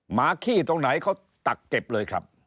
หมาขี้ตรงไหนเขาตักเก็บเลยครับ